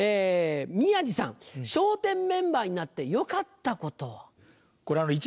宮治さん「笑点メンバーになってよかったことは？」。